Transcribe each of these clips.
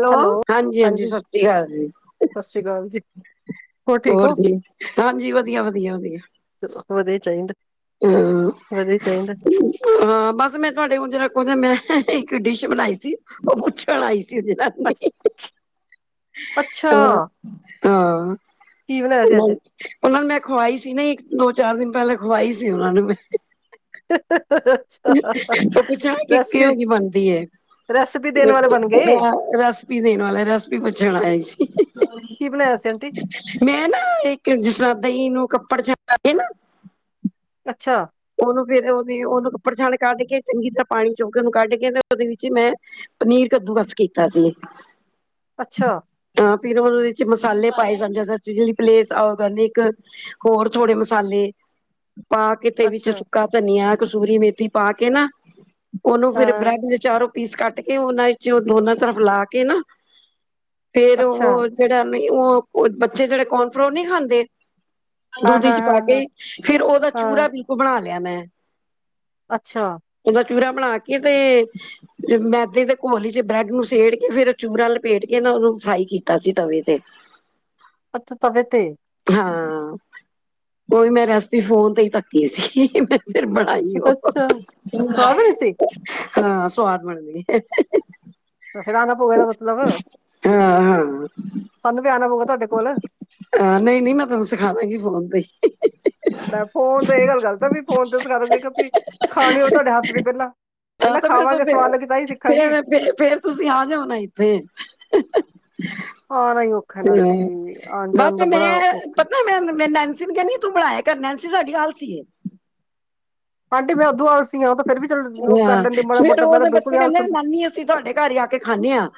Hello, ਹਾਂਜੀ- ਹਾਂਜੀ, ਸਤਿ ਸ਼੍ਰੀ ਅਕਾਲ ਜੀ ਸਤਿ ਸ੍ਰੀ ਅਕਾਲ ਜੀ ਠੀਕ ਹੋਰ ਹੋ ਜੀ, ਹਾਂਜੀ -ਵਧੀਆ, ਵਧੀਆ, ਵਧੀਆ ਵਧੀਆ ਚਾਹੀਦਾ, ਹਾਂ ਵਧੀਆ ਚਾਇਦੈ ਹਾਂ, ਬਸ ਮੈਂ ਤੁਹਾਡੇ ਹੁਣ [unintelligible] ਮੈਂ ਇੱਕ ਡਿਸ਼ ਬਣਾਈ ਸੀ, ਉਹ ਪੁੱਛਣ ਆਈ ਅੱਛ ਅੱਛਾ [unintelligible] ਓ ਕੀ ਬਣਾਇਆ ਸੀ ਅੱਜ ਉਹਨਾਂ ਨੂੰ ਮੈਂ ਖਵਾਈ ਸੀ ਨਾ, ਇੱਕ, ਦੋ, ਚਾਰ ਦਿਨ ਪਹਿਲਾਂ ਖਵਾਈ ਸੀ, ਉਹਨਾਂ ਨੂੰ ਮੈਂ [unintelligible] ਓ ਪੁੱਛਣਾ ਕਿ, ਰੈਸਪੀ ਕਿਹੋ ਜਿਹੀ ਬਣਦੀ ਏ? ਰੈਸਪੀ ਦੇਣ ਵਾਲੇ ਬਣ ਗਏ [unintelligible] ਰੈਸਪੀ ਪੁੱਛਣ ਆਈ ਸੀ ਕੀ ਬਣਾਇਆ ਸੀ ਐਂਟੀ? ਮੈਂ ਨਾ ਇੱਕ, ਜਿਸਰ੍ਹਾਂ ਦਹੀਂ ਨੂੰ ਕੱਪੜ ਪਾ ਕੇ ਨਾ ਅੱਛਾ ਓਨੂੰ ਫਿਰ, ਉਹਦੀ [unintelligible] ਕਢ ਕੇ, ਚੰਗੀ ਤਰ੍ਹਾਂ ਪਾਣੀ ਚੁ ਕੇ, ਓਨੂੰ ਕੱਢ ਕੇ ਤੇ, ਉਹਦੇ ਵਿੱਚ ਹੀ ਮੈਂ ਪਨੀਰ, ਕੱਦੂਕੱਸ ਕੀਤਾ ਸੀ। ਅੱਛਾ ਹਾਂ, ਫਿਰ ਓਦੇ ਮਸਾਲੇ ਪਾਏ ਜਾਂਦੇ [unintelligible] ਹੋਰ ਥੋੜੇ ਮਸਾਲੇ, ਪਾ ਕੇ ਤੇ ਵਿੱਚ ਅੱਛਾ ਸੁੱਕਾ ਧਨੀਆ, ਕਸੂਰੀ ਮੇਥੀ, ਪਾ ਕੇ ਨਾ, ਓਨੂੰ ਫੇਰ ਹਾਂ ਬ੍ਰੈਡ ਚਾਰੋਂ ਪੀਸ ਕੱਟ ਕੇ, ਓਨਾਂ ਵਿੱਚ ਦੋਨਾਂ ਤਰਫ ਲਾ ਕੇ ਨਾ, ਫੇਰ ਅੱਛਾ ਓ [unintelligible] ਬੱਚੇ ਜਿਹੜੇ ਕੋਰਨ ਫਰੋਲ ਨਹੀਂ ਖਾਂਦੇ? ਹਾਂ ਦੁਧ ਹਾਂ ਇਚ ਹਾਂ ਪਾ ਕੇ, ਹਾਂ ਫਿਰ ਓਦਾ ਹਾਂ ਚੂਰਾ ਬਿਲਕੁਲ ਬਣਾ ਲਿਆ ਮੈਂ ਅੱਛਾ ਦਾ ਚੂਰਾ ਬਣਾ ਕੇ ਤੇ ਮੈਦੇ ਦੇ ਘੋਲੀ ਚ ਬ੍ਰੈਡ ਨੂੰ ਸੇੜ ਕੇ, ਫੇਰ ਚੂੂਰਾਂ ਲਪੇਟ ਕੇ ਨਾ, ਉਹਨੂੰ ਫਰਾਈ ਕੀਤਾ ਸੀ। ਤਵੇ ਤੇ। [unintelligible] ਤਵੇ ਤੇ ਹਾਂ ਉਹੀ ਮੈਂ ਰੈਸਪੀ ਫੋਨ ਤੇ ਹੀ ਧੱਕੀ ਸੀ ਮੈਂ ਫਿਰ ਬ ਆਈਓ ਅੱਛਾ ਸਵਾਦ ਬਣੀ ਸੀ ਹਾਂ ਸਵਾਦ ਬਣਦੀ। ਫਿਰ ਆਉਣਾ ਪਊਗਾ ਇਹਦਾ ਮਤਲਬ ਹਾਂ ਹਾਂ ਸਾਨੂੰ ਵੀ, ਆਉਣਾ ਪਊਗਾ ਤੁਹਾਡੇ ਕੋਲ- ਹਾਂ, ਨਹੀਂ- ਨਹੀਂ, ਮੈਂ ਤੁਹਾਨੂੰ ਸਿਖਾ ਦਾਂਗੀ ਫੋਨ ਤੇ ਮੈ ਫੋਨ ਤੇ ਇਹ ਗੱਲ ਗਲਤ ਵੀ, ਫੋਨ ਤੇ ਸਿਖਾਂ ਦਾਗੀਂ, ਖਾਣੀ ਹੋ ਤੁਹਾਡੇ ਹੱਥ ਦੀ ਪਹਿਲਾਂ ਪਹਿਲਾਂ ਖਾਵਾਂਗੇ, ਸਵਾਦ ਲੱਗੀ -ਤਾਂ ਹੀ ਦੇਖਾਗੀ ਤੇ ਫਿਰ ਤੇ ਆ ਜਓਣਾ ਇੱਥੇ [unintelligible] ਆਣ ਜਾਣ ਹ--ਬਸ ਦਾ ਬੜਾ ਮੈਂ ਔਖਾ। ਪਤਾ, ਮੈਂ ਨੈਨਸੀ ਨੂੰ ਕਹਿੰ ਤੂੰ ਬਣਾਇਆ ਕਰ, ਨੈਨਸੀ ਸਾਡੀ ਆਾਲਸੀ ਏ ਆਂਟੀ ਮੈਂ ਉਦੋਂ ਆਲਸੀ ਆ ਉਹ ਤਾਂ ਫਿਰ ਵੀ ਚੱਲ ਉਹ ਕਰ ਹਾਂ ਲੈਂਦੀ ਮਾੜਾ ਫੇਰ ਮੋਟਾ ਮੈਂ ਤਾਂ ਉਹਦੇ ਬਿਲਕੁਲ ਬੱਚੇ ਹੀ ਕਹਿੰਦੇ ਆਲਸ ਨਾਨੀ ਅਸੀਂ ਤੁਹਾਡੇ ਘਰ ਆ ਕੇ ਖਾਂਦੇ ਹਾਂ।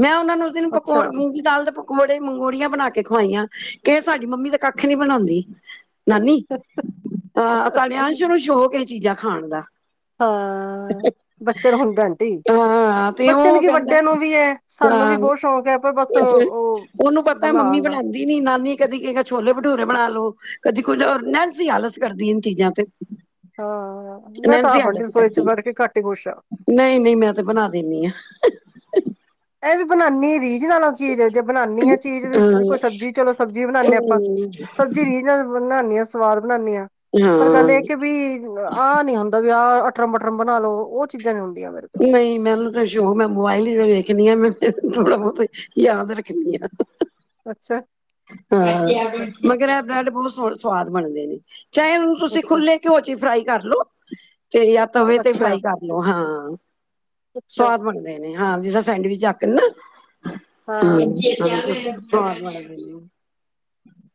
ਮੈਂ ਉਹਨਾ ਨੂੰ ਉਸ ਦਿਨ ਪਕੋ ਅੱਛਾ। ਮੂੰਗੀ ਦਾਲ ਦੇ ਪ ਪੌੜੇ ਮੰਗੋੜੀਆਂ ਬਣਾ ਕੇ ਖਵਾਈਆਂ, ਕਿ ਸਾਡੀ ਮੰਮੀ ਦਾ ਕੱਖ ਨਹੀਂ ਬਣਾਂਦੀ, ਨਾਨੀ, ਤਾਂ ਸਾਡੇ ਅੰਸ਼ ਨੂੰ ਸ਼ੌਕ ਚੀਜ਼ਾਂ ਖਾਣ ਦਾ ਹਾਂ, ਬੱਚੇ ਨੂੰ ਹੁੰਦਾ ਆਂਟੀ ਹਾਂ ਤੇ ਬੱਚਨ ਉਹ ਕੀ ਕਹਿੰਦਾ ਵੱਡਿਆਂ ਨੂੰ ਵੀ ਹੈ। ਸਾਨੂੰ ਵੀ ਹਾਂ ਬਹੁਤ ਸ਼ੌਕ ਹੈ, ਪਰ ਬਸ ਵੈਸੇ ਉਹ ਉਹਨੂੰ ਪਤਾ ਮੰਮੀ ਬਣਾਉਣ ਦਾ ਬਣਾ ਦੀ ਨੀ ਨਾਨੀ ਕਦੀ ਕਹੈਗਾ ਛੋਲੇ ਭਠੂਰੇ ਬਣਾ ਲੋ, ਕਦੀ ਕੁੱਝ ਨੇਨਸੀ ਆਲਸ ਕਰਦੀ ਇਹ ਚੀਜ਼ਾਂ ਤੇ ਹਾਂ, ਮੈਂ ਤਾਂ ਨੈਨਸੀ ਆਪ ਅੰਟੀ ਆਲਸ ਰਸੋਈ ਚ ਕਰਦੀ। ਬੜ ਕੇ ਕੱਟ ਹੀ ਕੁਛ ਹਾ ਨਹੀਂ ਨਹੀਂ ਮੈਂ ਤੇ ਬਣਾ ਦਿੰਦੀ ਆ, ਇਹ ਵੀ ਬਣਾਉਨੀ ਰੀਜ਼ ਨਾਲ ਆ ਚੀਜ਼ ਜੇ ਬਣਾਉਣੀ ਹ ਚੀਜ਼ ਵੀ ਹਾਂ ਕੋਈ ਸਬਜ਼ੀ ਚਲੋ ਸਬਜ਼ੀ ਬਣਾਨਦੇ ਆਪਾਂ ਸਬਜ਼ੀ ਰੀਝ ਨਾਲ, ਬਣਾਦੀ ਹਾਂ ਸਵਾਦ ਬਣਾਉਦੀ ਹਾਂ, ਪਰ ਗੱਲ ਹਾਂ ਇਹ ਕਿ ਵੀ ਆਹ ਨੀ ਹੁੰਦਾ ਵਿਆਹ ਪਟਰਮ ਬਟਰਮ ਬਣਾ ਲਓ ਉਹ ਚੀਜ਼ਾਂ ਵੀ ਨੀ ਆਉਂਦੀਆ ਮੈਨੂ ਨਹੀਂ ਮੈਨੂੰ ਤਾਂ ਸ਼ੌਕ ਮੈਂ ਮੋਬਾਇਲ ਹੀ ਵੇਖਣੀ ਹਾਂ ਮੈਂ ਥੋੜ੍ਹਾ ਬਹੁਤ, ਯਾਦ ਰੱਖਣੀ ਆ। ਅੱਛਾ। ਹਾਂ ਮਗਰ ਇਹ ਬ੍ਰੈਡ ਬਹੁਤ ਸਵਾਦ ਬਣਦੇ ਨੇ ਚਾਹੇ ਹੁਣ ਤੁਸੀਂ ਅੱਛਾ ਖੁੱਲੇ ਘਿਓ ਚੀ ਫਰਾਈ ਕਰ ਲੋ ਤੇ ਜਾਂ ਤਵੇ ਤੇ ਅੱਛਾ ਫਰਾਈ ਕਰ ਲੋ ਹਾਂ, ਅੱਛਾ ਸਵਾਦ ਬਣਦੇ ਨੇ ਹਾਂ ਜਿਸਦਾਂ ਸੈਂਡਵਿਚ ਆਖਣ ਨਾ ਹ ਹਾਂ ਹਮ ਸਵਾਦ ਬਣਦੇ ਨੇ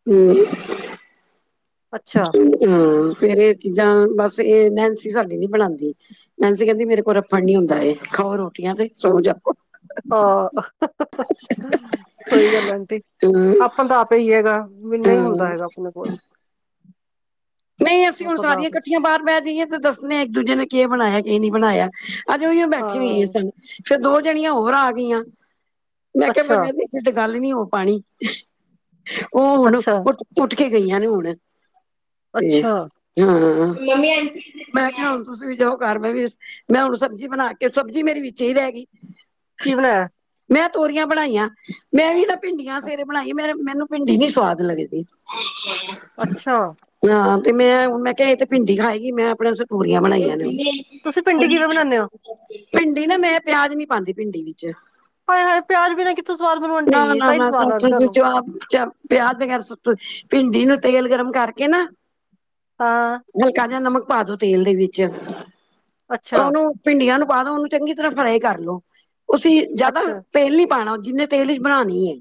ਹਮ ਅੱਛਾ ਹਮ ਫੇਰ ਇਹ ਚੀਜ਼ਾਂ ਬਸ ਇਹ ਨੈਨਸੀ ਸਾਡੀ ਨੀ ਬਣਾਉਂਦੀ, ਨੈਨਸੀ ਕਹਿੰਦੀ ਮੇਰੇ ਕੋਲ ਰੱਫੜ ਨੀ ਹੁੰਦਾ ਖਾਓ ਰੋਟੀਆਂ ਤੇ ਸੋ ਜਾਓ ਆਹ ਸਹੀ ਗੱਲ ਆਂਟੀ ਹਮ ਆਪਾਂ ਦਾ ਆਪ ਹੀ ਹੈਗਾ। ਮੈਨੂੰ ਹੀ ਹਮ ਹੁੰਦਾ ਹੈਗਾ ਆਪਣੇ ਕੋਲ। ਨਹੀਂ ਅਸੀਂ ਹੁਣ ਆਪਾਂ ਤਾਂ ਸਾਰੀਆਂ ਆਪ ਇਕੱਠੀਆਂ ਬਾਹਰ ਬਹਿ ਜਾਈਏ ਤੇ ਦੱਸਦੇ ਹਾਂ ਇੱਕ ਦੂਜੇ ਨੇ ਕੀ ਬਣਾਇਆ ਕਿ ਨਹੀਂ ਬਣਾਇਆ। ਅੱਜੇ ਉਹੀ ਉਹ ਬੈਠੇ ਹੋਈ ਹੈ ਹਾਂ ਸਨ ਫੇਰ ਦੋ ਜਣੀਆਂ ਹੋਰ ਆ ਗਈਆਂ ਮੈਂ ਕਿਹਾ ਅੱਛਾ ਬਨਿਆ ਤੇ ਗੱਲ ਨੀ ਹੋ ਪਾਣੀ ਉਹ ਹੁਣ ਉ ਅੱਛਾ ਉੱਠ ਕੇ ਗਈਆਂ ਨੇ ਹੁਣ ਤੇ ਅੱਛਾ ਹਾਂ ਮੰ ਮੈਂ ਕਿਹਾ ਹੁਣ ਤੁਸੀਂ ਵੀ ਜਾਓ ਘਰ ਮੈਂ ਵੀ ਮੈਂ ਹੁਣ ਸਬਜ਼ੀ ਬਣਾ ਕੇ ਸਬਜ਼ੀ ਮੇਰੀ ਵਿੱਚ ਹੀ ਰਹਿ ਗਈ। ਕੀ ਬਣਾਇਆ? ਮੈਂ ਤੋਰੀਆਂ ਬਣਾਈਆਂ ਮੈਂ ਵੀ ਇਹਦਾ ਭਿੰਡੀਆਂ ਸਵੇਰੇ ਬਣਾਈ ਮੈਨੂੰ ਭਿੰਡੀ ਨੀ ਸਵਾਦ ਲੱਗਦੀ। ਅੱਛਾ। ਹਾਂ ਤੇ ਮੈਂ ਮੈਂ ਕਿਹਾ ਇਹ ਤੇ ਭਿੰਡੀ ਖਾਏਗੀ ਮੈਂ ਆਪਨੇ ਵਾਸਤੇ ਤੋਂਰੀਆਂ ਬਣਾਈਆਂ ਨੇ। ਤੁਸੀਂ ਭਿੰਡੀ ਕਿਵੇਂ ਬਣਾਉਂਦੇ ਹੋ ਭਿੰਡੀ ਨਾ ਮੈਂ ਪਿਆਜ ਨੀ ਪਾਉਦੀ ਭਿੰਡੀ ਵਿੱਚ। ਹਾਏ-ਹਾਏ ਪਿਆਜ ਬਿਨਾਂ ਕਿੱਥੋਂ ਸਵਾਦ ਬਣੂ ਨਾ, ਆਂਟੀ, ਨਾ, ਤਾਂ ਹੀ ਨਾ ਸਵਾਦ ਲੱਗਦਾ ਚਾ, ਤੁਹਾਨੂੰ ਚਾ ਪਿਆਜ ਵਗੈਰਾ ਸੂਟ, ਭਿੰਡੀ ਨੂੰ ਤੇਲ ਗਰਮ ਕਰਕੇ ਨਾ ਹਾਂ। ਹਲਕਾ ਜਿਹਾ ਨਮਕ ਪਾ ਦੋ ਤੇਲ ਦੇ ਵਿੱਚ, ਅੱਛਾ, ਉਹਨੂੰ ਭਿੰਡੀਆਂ ਨੂੰ ਪਾਦੋ ਉਹਨੂੰ ਚੰਗੀ ਤਰ੍ਹਾਂ ਫਰਾਈ ਕਰ ਲੋ ਅਸੀਂ ਜਿਆਦਾ ਅੱਛਾ, ਤੇਲ ਨੀ ਪਾਉਣਾ ਜਿੰਨੇ ਤੇਲ ਚ ਬਣਾਉਣੀ ਏ।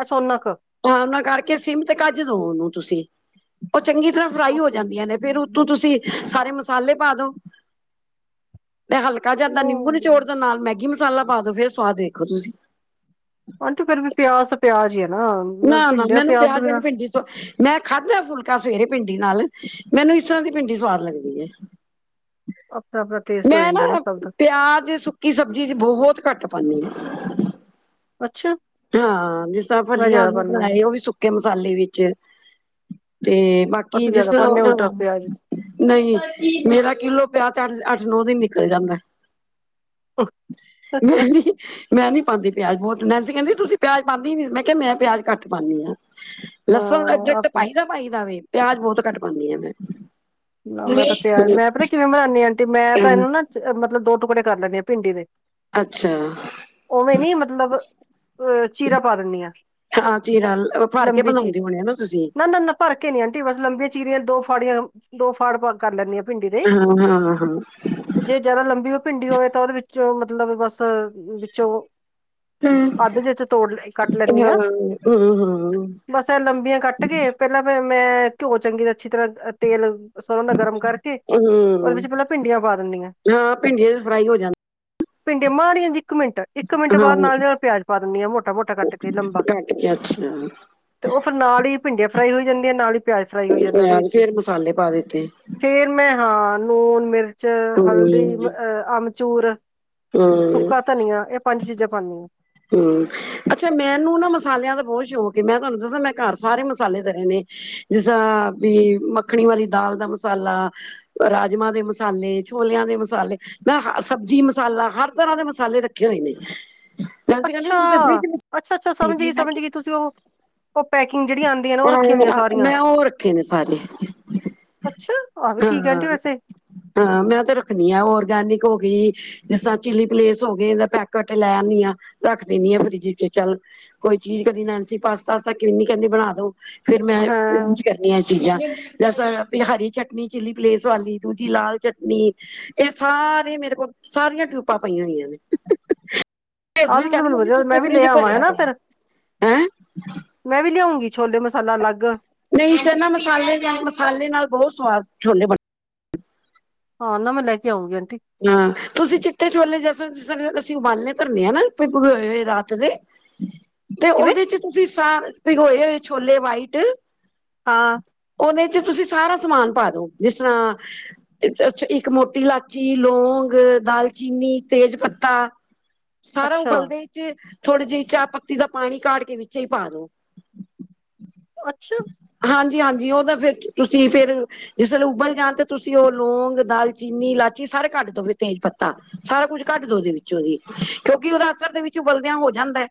ਅੱਛਾ ਓਨਾ ਕ ਹ ਉਹਨਾਂ ਕਰਕੇ ਸਿਮ ਤੇ ਕੱਜ ਦੋ ਉਹਨੂੰ ਤੁਸੀਂ ਉਹ ਚੰਗੀ ਤਰ੍ਹਾਂ ਫਰਾਈ ਹੋ ਓਕੇ। ਜਾਂਦੀਆਂ ਨੇ ਫੇਰ ਉਤੋਂ ਤੁਸੀਂ ਸਾਰੇ ਮਸਾਲੇ ਪਾ ਦੋ ਤੇ ਹਲਕਾ ਕਜ ਓ ਇਦਾਂ ਨਿੰਬੂ ਨਿਚੋੜ ਦੋ ਨਾਲ ਮੈਗੀ ਮਸਾਲਾ ਪਾ ਦੋ ਫੇਰ ਸਵਾਦ ਦੇਖੋ ਤੁਸੀਂ। ਆਂਟੀ ਫੇਰ ਵੀ ਪਿਆਸ ਪਿਆਜ ਹੀ ਆ ਨਾ। ਨਾ ਨਾ ਭਿੰਡੀਆਂ ਮੈਨੂੰ ਤੋਂ ਪਿਆਜ ਵਾਲੀ ਬਿਨਾਂ ਭਿੰਡੀ ਸ ਮੈਂ ਖਾਧਾ ਫੁਲਕਾ ਸਵੇਰੇ ਭਿੰਡੀ ਨਾਲ ਮੈਨੂੰ ਇਸ ਤਰ੍ਹਾਂ ਦੀ ਭਿੰਡੀ ਸਵਾਦ ਲੱਗਦੀ ਹੈ। ਆਪਣਾ-ਆਪਣਾ ਟੇਸਟ ਹੋ ਮੈਂ ਜਾਂਦਾ ਨਾ ਸਭ ਦਾ, ਪਿਆਜ ਕਿ ਸਬਜ਼ੀ ਚ ਬੋਹਤ ਘੱਟ ਪਾਨੀ ਅੱਛਾ ਆ, ਹਾਂ ਜਿਸ ਤਰ੍ਹਾਂ ਮੈਂ ਫਲੀਆਂ ਜ਼ਿਆਦਾ ਆਲੂ ਪਾਨੀ ਆ, ਬਨਾਏ ਉਹ ਵੀ ਸੁੱਕੇ ਮਸਾਲੇ ਵਿੱਚ ਤੇ ਬਾ ਕੀ ਅਸੀਂ ਜਿਸ ਜ਼ਿਆਦਾ ਪਾਨੇ ਆ ਤਰਾਂ ਉਲਟਾ ਪਿਆਜ। ਨਹੀਂ, ਮੇਰਾ ਕਿਲੋ ਪਿਆ ਚ ਅੱਠ, ਅੱਠ-ਨੋ ਦਿਨ ਨਿਕਲ ਜਾਂਦਾ ਐ। ਮੈਂ ਨੀ, ਮੈਂ ਨੀ ਪਾਂਦੀ ਪਿਆਜ ਬਹੋਤ, ਨੈਂਸੀ ਕਹਿੰਦੀ ਤੁਸੀਂ ਪਿਆਜ ਪਾਂਦੇ ਨੀ ਮੈਂ ਮੈਂ ਪਿਆਜ ਘੱਟ ਪਾਨੀ ਆਂ, ਲਸਨ ਅਦਰਕ ਹਾਂ ਤੇ ਆਪ ਪਾਈਦਾ ਪਾਈ ਦਾ ਵੇ, ਪਿਆਜ ਬੋਤ ਘੱਟ ਪਾਨੀ ਆ ਮੈਂ। ਨਾ ਮੈਂ ਤਾਂ ਪਿਆਜ ਮੈਂ ਪਤਾ ਕਿਵੇਂ ਬਨਾਨੀ ਆਂਟੀ? ਮੈਂ ਤਾਂ ਹੂੰ, ਇਹਨੂੰ ਨਾ ਮਤਲਬ ਦੋ ਟੁਕੜੇ ਕਰ ਲੈਨੀ ਆਂ ਭਿੰਡੀ ਦੇ। ਅੱਛਾ। ਉਵੇਂ ਨੀ ਮਤਲਬ ਅ ਚੀਰਾ ਪਾ ਦਿੰਨੀ ਆਂ। ਹਾਂ ਚੀਰਾ ਭਰ ਕੇ ਬਣਾਉਂਦੇ ਹੋਣੇ ਨਾ ਤੁਸੀਂ। ਨਾ ਨਾ ਨਾ ਭਰ ਕੇ ਨੀ ਆਂਟੀ, ਬਸ ਲੰਬੀਆਂ ਚੀਰੀਆਂ ਦੋ ਫਾੜੀਆਂ ਦੋ ਫਾੜ ਭਰ ਕਰ ਲੈਂਨੀ ਆਂ ਭਿੰਡੀ ਦੇ। ਹਾਂ ਹਾਂ ਹਾਂ। ਤੇ ਜੇ ਜ਼ਿਆਦਾ ਲੰਬੀ ਭਿੰਡੀ ਹੋਵੇ ਤਾਂ ਉਹਦੇ ਵਿੱਚੋਂ ਮਤਲਬ ਬਸ ਵਿੱਚੋਂ ਅੱਧ ਵਿੱਚ ਤੋੜ, ਕੱਟ ਲੈਂਨੀ ਹਾਂ ਆਂ। ਹੂੰ ਹੂੰ ਬਸ ਲੰਬੀਆਂ ਕੱਟ ਕੇ ਪਹਿਲਾਂ ਫੇਰ ਮੈਂ ਘਿਓ ਚੰਗੀ, ਅੱਛੀ ਤਰ੍ਹਾਂ ਤੇਲ ਬਸ ਓਸ ਨਾਲ ਗਰਮ ਕਰਕੇ ਉਹਦੇ ਵਿੱਚ ਹੂੰ ਪਹਿਲਾਂ ਭਿੰਡੀਆਂ ਪਾ ਦੇਨੀ ਆਂ। ਹਾਂ ਭਿੰਡੀਆਂ ਚ ਫਰਾਈ ਹੋ ਜਾਂ ਭਿੰਡੀ ਮਾੜੀਆਂ ਜੀ ਇੱਕ ਮਿੰਟ ਇੱਕ ਮਿੰਟ ਹਾਂ ਬਾਦ ਨਾਲੇ ਨਾਲ ਪਿਆਜ ਪਾ ਦੇਨੀ ਆਂ ਮੋਟਾ-ਮੋਟਾ ਕੱਟ ਕੇ ਲੰਬਾ। ਕੱਟ ਕੇ ਅੱਛਾ ਤੇ ਉਹ ਫਿਰ ਨਾਲ ਹੀ ਭਿੰਡੀਆਂ ਫਰਾਈ ਹੋਈ ਜਾਂਦੀਆਂ, ਨਾਲ ਹੀ ਪਿਆਜ ਫਰਾਈ ਹੋ ਜਾਂਦਾ ਉਹਦੇ ਵਿੱਚ। ਫੇਰ ਹੀ ਮਸਾਲੇ ਪਾ ਦਿੱਤੇ। ਫੇਰ ਮੈਂ ਹਾਂ ਲੂਣ ਮਿਰਚ, ਹੂੰ ਹਲਦੀ ਅ ਅਮਚੂਰ ਹੂੰ ਸੁੱਕਾ ਧਨੀਆ ਇਹ ਪੰਜ ਚੀਜ਼ਾਂ ਪਾਨੀ ਆ। ਹੂੰ, ਅੱਛਾ ਮੈਨੂੰ ਨਾ ਮਸਾਲਿਆਂ ਦਾ ਬੋਤ ਸ਼ੌਂਕ ਏ, ਮੈਂ ਤੁਹਾਨੂੰ ਦੱਸਾਂ ਮੈਂ ਘਰ ਸਾਰੇ ਮਸਾਲੇ ਧਰੇ ਨੇ ਜਿਸ ਤਾ ਵੀ ਮੱਖਣੀ ਵਾਲੀ ਦਾਲ ਦਾ ਮਸਾਲਾ ਰਾਜਮਾਂ ਦੇ ਮਸਾਲੇ, ਛੋਲਿਆਂ ਦੇ ਮਸਾਲੇ ਹਾਂ-ਹਾਂ, ਸਬਜ਼ੀ ਮਸਾਲਾ, ਹਰ ਤਰ੍ਹਾਂ ਦੇ ਮਸਾਲੇ ਰੱਖੇ ਹੋਏ ਨੇ। ਵੈਸੇ ਕਹਿੰਦੇ ਅੱਛਾ, ਤੁਸੀਂ ਫਰਿਜ ਅੱਛਾ-ਅੱਛਾ, ਸਮਝ ਗਈ, ਮੈਂ ਸਮਝ ਗਈ ਤੁਸੀਂ ਉਹ ਓ ਪੈਕਿੰਗ ਜਿਹੜੀਆਂ ਆਂਦੀਆਂ ਨੇ ਉਹ ਕਿਹਾ ਰੱਖੀ ਹੋਈਆਂ ਸਾਰੀਆਂ। ਮੈਂ ਉਹ ਰੱਖੇ ਨੇ ਅੱਛਾ। ਆਹ ਵੀ ਠੀਕ ਹੈ ਆਂਟੀ ਵੈਸੇ ਹਾਂ-ਹਾਂ ਮੈਂ ਤੇ ਰੱਖਨੀ ਆ ਔਰਗੈਨਿਕ ਹੋ ਗੀ। ਜਿਸ ਤਰ੍ਹਾਂ ਚਿੱਲੀ ਪਲੇਸ ਹੋ ਗਏ ਦਾ ਪੈਕਟ ਲੈ ਆਨੀ ਆ, ਰੱਖ ਦੇ ਨੀ ਆਂ ਫਰਿਜ ਚ ਚੱਲ ਕੋਈ ਚੀਜ਼ ਕਦੀ ਨੈਨਸੀ ਪਾਸਤਾ-ਵਾਸਤਾ ਕਿੰਨੀ ਕਹਿੰਦੀ ਬਣਾ ਦੋ। ਫੇਰ ਮੈਂ ਹਾਂ ਉਂਝ ਕਰਨੀਆਂ ਐ ਚੀਜ਼ਾਂ ਜਿਸ ਤਰਾਂ ਹਰੀ ਚਟਨੀ ਨੀ ਚਿੱਲੀ ਪਲੇਸ ਵਾਲੀ, ਦੂਜੀ ਲਾਲ ਚਟਨੀ ਇਹ ਸਾਰੇ ਮੇਰੇ ਕੋਲ, ਸਾਰੀਆਂ ਟਿਊਪਾਂ ਪਈਆਂ ਹੋਈਆਂ ਨੇ। ਆਹ ਮੀਨ ਤਾਂ ਕਹਿੰਦੇ ਮੈਨੂੰ ਮੰਮੀ ਵਧੀਆ ਤੁਸੀ ਤੇ ਮੈਂ ਵੀ ਲੈ ਫਰਿਜ ਆਵਾਂ ਭਰਿਆ ਹਨਾ ਪਿਆ ਫਿਰ ਐ। ਹੈਂ। ਮੈਂ ਵੀ ਲਿਆਉਂਗੀ ਛੋਲੇ ਮਸਾਲਾ ਅਲੱਗ। ਨਹੀਂ ਚਨਾ ਮਸਾਲੇ ਨਾਲ, ਮਸਾਲੇ ਨਾਲ ਬਹੁਤ ਸਵਾਦ ਛੋਲੇ ਬਣ ਹਾਂ ਨਾਂ ਮੈਂ ਲੈ ਕੇ ਆਉਗੀ ਆਂਟੀ। ਹਾਂ ਤੁਸੀਂ ਚਿੱਟੇ ਛੋਲੇ ਜੈਸੇ ਜਿਸ ਤਰਾਂ ਅਸੀਂ ਉਬਾਲਨੇ ਪਰਨੇ ਆ ਨਾ ਭੀਗੇ ਹੋਏ ਰਾਤ ਦੇ। ਤੇ ਕਿਵੇਂ ਉਹਦੇ ਚ ਤੁਸੀਂ ਸ ਭਿਗੋਏ ਹੋਏ ਛੋਲੇ ਵਾਈਟ ਹਾਂ। ਉਹਦੇ ਚ ਤੁਸੀਂ ਸਾਰਾ ਸਮਾਨ ਪਾ ਦੋ ਜਿਸ ਤਰ੍ਹਾਂ [unintelligible] ਇੱਕ ਮੋਟੀ ਲਾ ਚੀ, ਲੋਂਂਗ, ਦਾਲਚੀਨੀ, ਤੇਜ-ਪੱਤਾ ਸਾਰਾ ਅੱਛਾ ਉਬਲਦੇ ਵਿੱਚ ਥੋੜ੍ਹੀ ਜੀ ਚਾਹ ਪੱਤੀ ਦਾ ਪਾਣੀ ਕਾਢ ਕੇ ਵਿੱਚੇ ਈ ਪਾ ਦੋ। ਅੱਛਾ। ਹਾਂਜੀ-ਹਾਂਜੀ, ਉਹ ਤਾਂ ਫੇਰ, ਤੁਸੀਂ ਫੇਰ ਜਿਸ ਵੇਲੇ ਉਬਲ ਜਾਣ ਤੇ ਤੁਸੀਂ ਉਹ ਲੌਂਗ, ਦਾਲਚੀਨੀ, ਲਾ ਚੀ ਸਾਰੇ ਕੱਟ ਦੋਵੇ ਤੇਜ-ਪੱਤਾ, ਸਾਰਾ ਕੁੱਝ ਕੱਟ ਦੋ ਓਦੇ ਵਿੱਚੋਂ ਦੀ ਕਿਉਂਕਿ ਉਹਦਾ ਅਸਰ ਦੇ ਵਿੱਚ ਵਿੱਚ ਉਬਾਲਦੀਆਂ ਹੋ ਜਾਂਦਾ ਐ।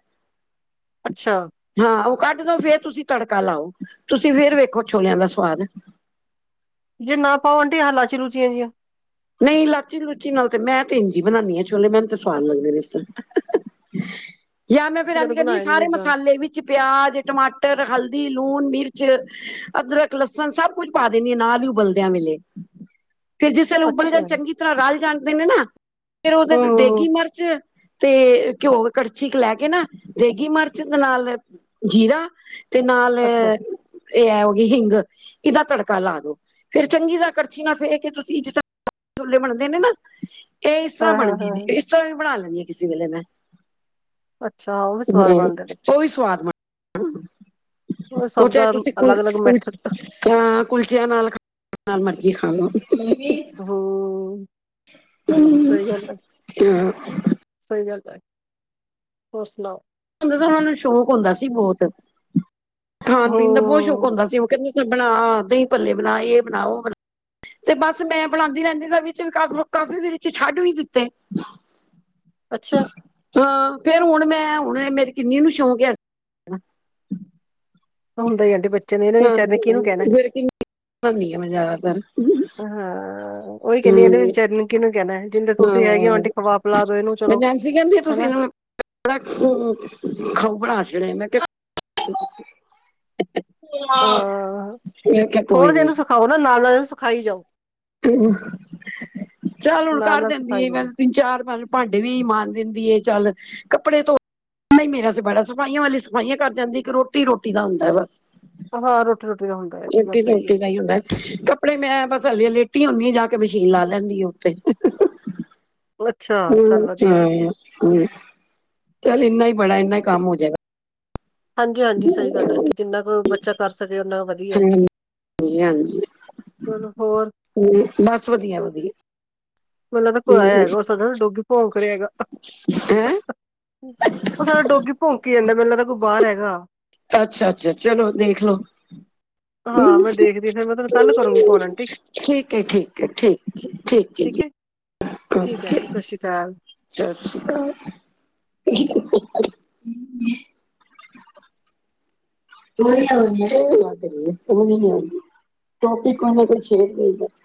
ਅੱਛਾ। ਹਾਂ ਉਹ ਕੱਢ ਦੋ ਫੇਰ ਤੁਸੀਂ ਤੜਕਾ ਲਾਓ, ਤੁਸੀਂ ਫੇਰ ਵੇਖੋ ਛੋਲਿਆਂ ਦਾ ਸਵਾਦ। ਜੇ ਨਾ ਪਾਓ ਆਂਟੀ ਆਹ ਇਲਾਚੀ ਲੂਚੀਆਂ ਜਹੀਆਂ। ਨਹੀਂ ਲਾਚੀ ਲੂਚੀ ਨਾਲ ਤੇ ਮੈਂ ਤੇ ਇੰਜ ਹੀ ਬਣਾਣੀ ਆ ਛੋਲੇ, ਮੈਨੂੰ ਤੇ ਸਵਾਦ ਲੱਗਦੇ ਨੇ ਇਸ ਤਰ। ਜਾਂ ਮੈਂ ਫੇਰ ਅਸੀਂ ਐਜ ਕਦੇ ਕਹਨੀ ਬਣਾਏ ਨੀ ਸਾਰੇ ਏਦਾਂ ਮਸਾਲੇ ਵਿਚ ਪਿਆਜ, ਟਮਾਟਰ, ਹਲਦੀ, ਲੂਣ, ਮਿਰਚ, ਅਦਰਕ ਲਸਣ ਸਭ ਕੁੱਝ ਪਾ ਦਿੰਦੀ ਆ, ਨਾਲ ਹੀ ਉਬਲਦਿਆਂ ਵੇਲੇ ਫਿਰ ਜਿਸ ਵੇਲੇ ਉਬਲ ਜਾਣ ਅੱਛਾ ਚੰਗੀ ਤਰ੍ਹਾਂ ਰਲ ਜਾਂਣਦੇ ਨੇ ਨਾ ਫੇਰ ਉਹਦੇ ਹੂੰ ਚ ਹੂੰ ਦੇਗੀ ਹੂੰ ਮਰਚ ਤੇ ਘਿਓ ਕੜਛੀ ਕ ਲੈ ਕੇ ਨਾ ਦੇਗੀ ਮਿਰਚ ਦੇ ਨਾਲ ਜੀਰਾ। ਤੇ ਨਾਲ ਅੱਛਾ ਇਹ ਐ ਹੋ ਗਈ ਹਿੰਗ, ਇਹਦਾ ਤੜਕਾ ਲਾ ਦੋ ਫੇਰ ਚੰਗੀ ਤਰ ਕੜਛੀ ਨਾਲ ਫੇ ਕੇ ਤੁਸੀਂ ਜਿਸਾ ਛੋਲੇ ਬਣਦੇ ਨੇ ਨਾ, ਇਹ ਇਸਰ੍ਹਾਂ ਹਾਂ ਹਾਂ ਬਣਦੇ ਨੇ ਹਾਂ ਇਸਰਾਂ ਵੀ ਬਣਾ ਲੈਂਨੇ। ਕਿਸੇ ਵੇਲੇ ਮੈਂ, ਅੱਛਾ ਉਹ ਵੀ ਸਵਾਦ ਹੂੰ ਬਣਦੇ ਨੇ ਉਹ ਵੀ ਸਵਾਦ ਬਣ ਉਹ ਸਭ ਚਾਹੇ ਦਾ ਤੁਸੀਂ ਅਲੱਗ ਅਲੱਗ ਕੁਲਸ-ਕੁਲਸ ਮੈਥਡ ਤਾਂ ਕੁਲਚਿਆਂ ਨਾਲ [inaudible] ਜਿਹਦੇ ਨਾਲ ਮਰਜੀ ਖਾ ਲੋ। ਹੂੰ ਸਹੀ ਗੱਲ ਹੈ, [unintelligible] ਸਹੀ ਗੱਲ ਐ, ਹੋਰ ਸੁਣਾਓ? ਹੁੰਦਾ ਤਾਂ ਸਾਨੂੰ ਸ਼ੌਕ ਹੁੰਦਾ ਸੀ ਬਹੁਤ, ਖਾਣ ਪੀਣ ਦਾ ਬਹੁਤ ਸ਼ੌਕ ਹੂੰ, ਹੁੰਦਾ ਸੀ ਉਹ ਕਹਿੰਦੇ ਸੀ, ਬਣਾ ਦਹੀਂ ਪੱਲੇ ਬਣਾ ਇਹ ਬਣਾ, ਉਹ ਬਣ ਤੇ ਬਸ ਮੈਂ ਬਣਾਦੀ ਰਹਿੰਦੀ ਸਾਂ ਵਿੱਚ ਕਾਫੀ ਫਿਰ, ਕਾਫੀ ਦੇ ਵਿੱਚ ਛੱਡ ਵੀ ਦਿੱਤੇ। [inaudible] ਅੱਛਾ। ਹਾਂ ਫੇਰ ਹੁਣ ਮੈਂ ਹੁਣ ਮੇਰੀ ਕਿੰਨੀ ਨੂੰ ਸ਼ੌਂਕ ਆ। ਹੁੰਦਾ ਹੀ ਆਂਟੀ ਬੱਚੇ ਨੇ ਇਹਨੇ ਹਾਂ ਵਿਚਾਰੇ ਨੇ ਕੀਨੂੰ ਕਹਿਣਾ। ਫਿਰ ਕਿੰਨੀ [unintelligible] ਮੈਂ ਜ਼ਿਆਦਾਤਰ। ਹਾਂ, ਉਹੀ ਕਹਿੰਦੀ ਇਹਨੇ ਵੀ ਹੁੰ, ਵਿਚਾਰੇ ਨੂੰ ਕਿਹਨੂੰ ਕਹਿਣਾ ਹੈ, ਜਿੰਦੇ ਤੁਸੀਂ ਹੈਗੇ ਹੋ ਹਾਂ ਆਂਟੀ ਖਵਾ ਪਿਲਾ ਦੋ ਇਹਨੂੰ ਤੇ ਚਲੋ ਨੈਂਸੀ ਕਹਿੰਦੇ ਤੁਸੀਂ ਹਨਾ। ਨਾ [unintelligible] ਖਾਊ ਬਣਾ ਛੜੇ ਨੇ ਮੈਂ ਕਿਹਾ [unintelligible] ਮੈਂ ਕਿਹਾ ਕੋਈ ਨੀ। ਖਾਓ ਨਾ ਨਾਲ-ਨਾਲ ਸਖਾਈ ਜਾਓ। ਚੱਲ ਹੁਣ ਨਾਲ ਕਰ ਨਾਲ ਦੇਂਦੀ ਸਿਖਾਈ ਆ ਮੈ। ਜਾਓ। ਤਿੰਨ-ਚਾਰ-ਪੰਜ ਭਾਵੇਂ ਭਾਂਡੇ ਵੀ ਮਾਂਜ ਦਿੰਦੀ ਏ ਚੱਲ, ਕੱਪੜੇ ਧੋ ਨਹੀਂ ਮੇਰਾ ਆਸਤੇ ਬੜਾ ਸਫਾਈਆਂ ਵਾਲੀ ਸਫਾਈਆਂ ਕਰ ਜਾਂਦੀ, ਇੱਕ ਰੋਟੀ-ਰੋਟੀ ਦਾ ਹੁੰਦਾ ਬਸ। ਹਾਂ, ਰੋਟੀ-ਰੁਟੀ ਦਾ ਹੁੰਦਾ, ਇਹ ਤੇ ਗੱਲ ਰੋਟੀ ਤਾਂ ਸਹੀ ਰੋਟੀ ਏ। ਦਾ ਹੀ ਹੁੰਦਾ ਹੈ। ਕੱਪੜੇ ਮੈਂ ਬਸ ਹਾਲੀ ਲੇਟੀ ਹੁੰਦੀ ਆ ਜਾ ਕੇ ਮਸ਼ੀਨ ਲਾ ਲੈਂਦੀ ਆ ਉੱਥੇ ਅੱਛਾ ਚੱਲ ਹੁੰ ਵਧੀਆ ਹਾਂ ਵਧੀਆ। ਹੁੰ ਚੱਲ ਇੰਨਾ ਹੀ ਬੜਾ ਇੰਨਾ ਹੀ ਕੰਮ ਹੋ ਜਾਏਗਾ। ਹਾਂਜੀ ਹਾਂਜੀ ਸਹੀ ਗੱਲ ਹੈ ਜਿੰਨਾ ਕੋਈ ਬੱਚਾ ਕਰ ਸਕੇ ਉਹਨਾ ਵਧੀ ਹਾਂ ਹ ਜੀ ਹਾਂਜੀ ਚਲੋ ਹੋਰ ਬਸ ਵਧੀਆ ਵਧੀਆ। ਮੈਨੂੰ ਲਗਦਾ ਕੋਈ ਆਯਾ ਹੈਗਾ ਉਹ ਸਾਡਾ ਨਾ ਡੋਗੀ ਭੋਂਕ ਰਿਆ ਹੈਗਾ। ਹੈ ਉਹ ਸਾਡਾ ਡੋਗੀ ਭੋਂਕੀ ਜਾਂਦਾ ਮੈਨੂੰ ਲਗਦਾ ਕੋਈ ਬਾਹਰ ਹੈਗਾ। ਅੱਛਾ-ਅੱਛਾ। ਚਲੋ ਦੇਖ ਲੋੋ। ਹਾਂ ਮੈਂ ਦੇਖਦੀ ਫਿਰ ਮੈਂ ਤੁਹਾਨੂੰ ਕੱਲ ਕਰੂੰਗੀ ਫੋਨ ਆਂਟੀ ਠੀਕ ਐ, ਠੀਕ ਐ, ਠੀਕ। ਠੀਕ ਐ ਜੀ। ਠੀਕ ਐ ਓਕੇ ਆਂਟੀ, ਸਤਿ ਸ਼੍ਰੀ ਅਕਾਲ। ਸਤਿ ਸ਼੍ਰੀ ਅਕਾਲ। [unintelligible]